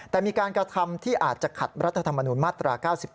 แต่มีการกระทำที่อาจจะขัดรัฐธรรมนุนมาตรา๙๑